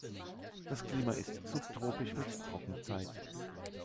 Das Klima ist subtropisch mit Trockenzeit.